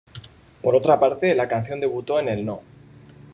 Por otra parte, la canción debutó en el No.